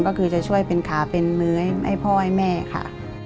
ก็คือจะช่วยเป็นขาเป็นเนื้อให้พ่อให้แม่ค่ะ